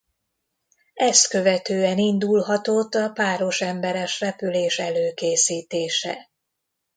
Ezt követően indulhatott a páros emberes repülés előkészítése.